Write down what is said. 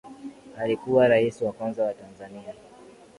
Alikuwa Rais wa kwanza wa Tanzania